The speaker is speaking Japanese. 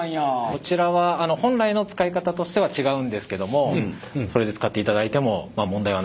こちらは本来の使い方としては違うんですけどもそれで使っていただいてもまあ問題はないと。